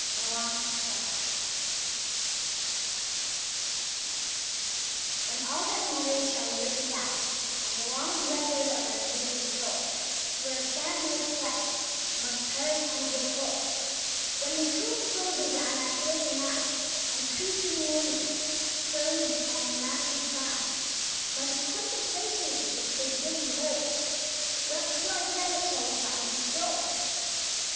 G._ ALL THAT MATTERS When all that matters shall be written down And the long record of our years is told, Where sham, like flesh, must perish and grow cold; When the tomb closes on our fair renown And priest and layman, sage and motleyed clown Must quit the places which they dearly hold, What to our credit shall we find enscrolled?